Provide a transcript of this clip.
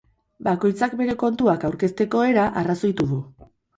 Bakoitzak bere kontuak aurkezteko era arrazoitu du.